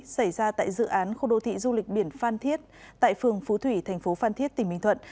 xảy ra tại dự án khu đô thị du lịch biển phan thiết tại phường phú thủy thành phố phan thiết tỉnh bình thuận